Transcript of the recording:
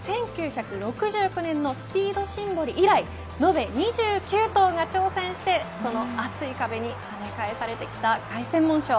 １９６９年のスピードシンボリ以来延べ２９頭が挑戦して、その厚い壁にはね返されてきた凱旋門賞。